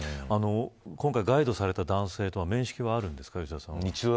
今回ガイドされた男性と面識はありますか。